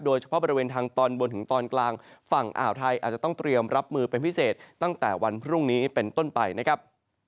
โดยเฉพาะบริเวณทางตอนบนถึงตอนกลางฝั่งอ่าวไทยอาจจะต้องเตรียมรับมือเป็นพิเศษตั้งแต่วันพรุ่งนี้เป็นต้นไปนะครับ